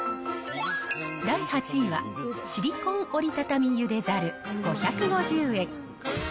第８位は、シリコン折りたたみ茹でザル５５０円。